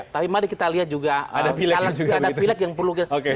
tapi mari kita lihat juga ada pilek yang perlu kita